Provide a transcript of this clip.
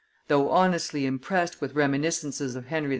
Though honestly impressed with reminiscences of Henry IV.